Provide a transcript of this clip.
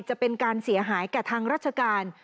จะเป็นการเสียหายแก่ทางราชการ